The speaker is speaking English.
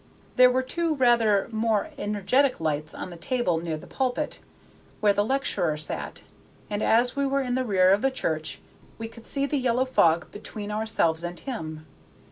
There were two rather more energetic lights on the table near the pulpit, where the lecturer sat, and as we were in the rear of the church, we could see the yellow fog between ourselves and him.